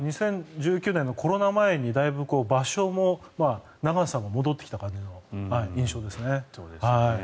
２０１９年のコロナ前にだいぶ場所も長さも戻ってきた感じの印象ですね。